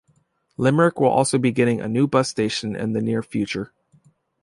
Limerick will also be getting a new bus station in the near future.